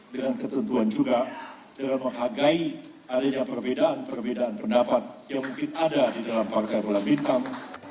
dengan ketentuan juga dengan menghargai adanya perbedaan perbedaan pendapat yang mungkin ada di dalam partai bulan bintang